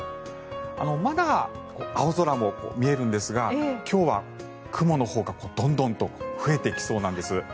まだ青空も見えるんですが今日は雲のほうがどんどんと増えてきそうなんです。